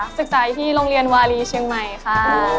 ศึกษาอยู่ที่โรงเรียนวารีเชียงใหม่ค่ะ